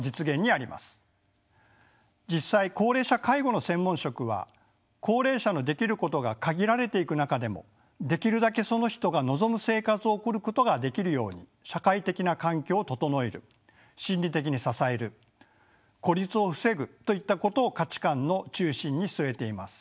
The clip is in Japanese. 実際高齢者介護の専門職は高齢者のできることが限られていく中でもできるだけその人が望む生活を送ることができるように社会的な環境を整える心理的に支える孤立を防ぐといったことを価値観の中心に据えています。